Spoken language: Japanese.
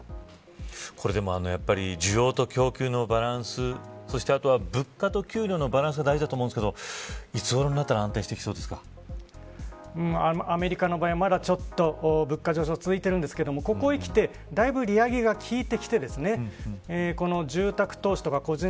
これでも、需要と供給のバランスそして物価と給料のバランスが大事だと思うんですがいつごろになったらアメリカの場合まだちょっと物価上昇が続いているんですがここへきてだいぶ利上げが効いてきて住宅投資とか個人